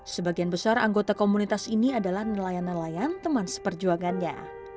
sebagian besar anggota komunitas ini adalah nelayan nelayan teman seperjuangannya